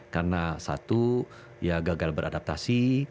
karena satu gagal beradaptasi